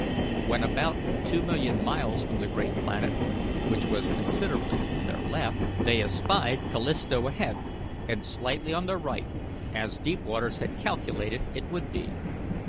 When about two million miles from the great planet, which was considerably on their left, they espied Callisto ahead and slightly on their right, as Deepwaters had calculated it would be.